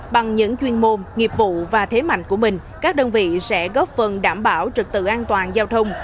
bằng những chuyên môn nghiệp vụ và thế mạnh của mình các đơn vị sẽ góp phần đảm bảo trực tự an toàn giao thông